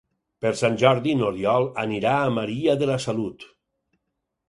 Per Sant Jordi n'Oriol anirà a Maria de la Salut.